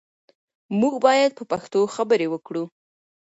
موږ باید په پښتو خبرې وکړو.